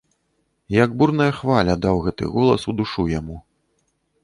Як бурная хваля, даў гэты голас у душу яму.